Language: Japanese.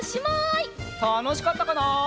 たのしかったかな？